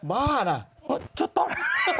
บ้าด้ะโจ๊กต้น